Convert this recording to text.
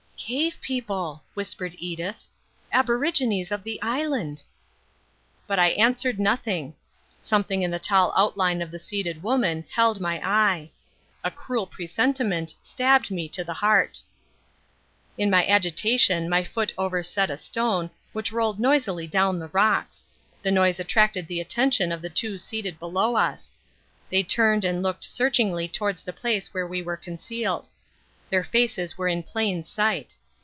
"Cave people," whispered Edith, "aborigines of the island." But I answered nothing. Something in the tall outline of the seated woman held my eye. A cruel presentiment stabbed me to the heart. In my agitation my foot overset a stone, which rolled noisily down the rocks. The noise attracted the attention of the two seated below us. They turned and looked searchingly towards the place where we were concealed. Their faces were in plain sight.